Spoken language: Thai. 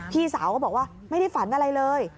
พี่สาวก็บอกว่าไม่ได้ฝันอะไรเลย